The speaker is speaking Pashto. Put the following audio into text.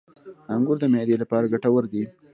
• انګور د معدې لپاره ګټور دي.